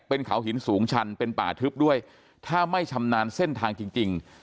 เป็นเขาหินสูงชันเป็นป่าทึบด้วยถ้าไม่ชำนาญเส้นทางจริงจริง